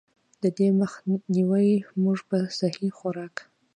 د دې مخ نيوے مونږ پۀ سهي خوراک ،